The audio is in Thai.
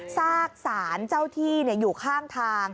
ซากสารเจ้าที่อยู่ข้างทาง